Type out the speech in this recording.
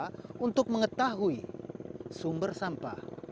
tujuan monitoring sampah untuk mengetahui sumber sampah